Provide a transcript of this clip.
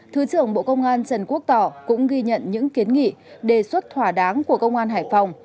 thứ trưởng bộ công an trần quốc tỏ cũng ghi nhận những kiến nghị đề xuất thỏa đáng của công an hải phòng